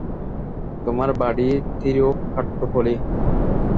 তোমার বাড়ি থিরুকাট্টুপল্লী?